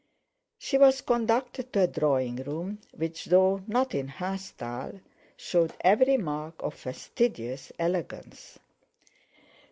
She was conducted to a drawing room, which, though not in her style, showed every mark of fastidious elegance.